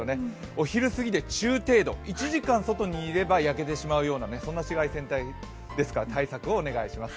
お昼すぎで中程度、１時間外にいれば焼けてしまうようなそんな紫外線ですから対策をお願いします。